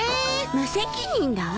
無責任だわ。